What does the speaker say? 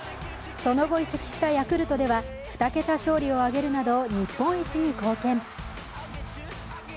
その後、移籍したヤクルトでは２桁勝利を挙げるなど日本一に貢献。